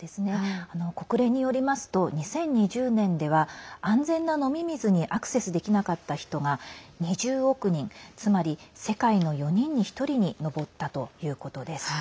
国連によりますと２０２０年では安全な飲み水にアクセスできなかった人が２０億人つまり世界の４人に１人に上ったということです。